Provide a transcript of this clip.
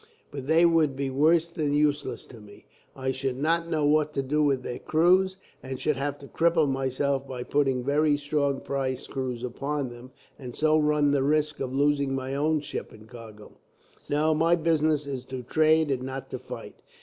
But they would be worse than useless to me. I should not know what to do with their crews, and should have to cripple myself by putting very strong prize crews upon them, and so run the risk of losing my own ship and cargo. "No, my business is to trade and not to fight.